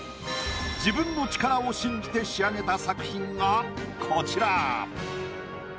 自分の力を信じて仕上げた作品がこちら。